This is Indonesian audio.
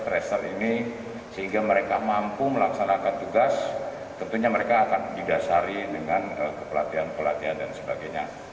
tracer ini sehingga mereka mampu melaksanakan tugas tentunya mereka akan didasari dengan kepelatihan pelatihan dan sebagainya